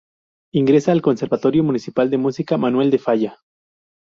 Ingresa al Conservatorio Municipal de Música "Manuel de Falla".